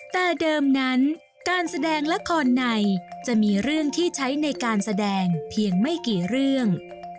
แต่เดิมนั้นการแสดงละครในจะมีเรื่องที่ใช้ในการแสดงเพียงไม่กี่เรื่อง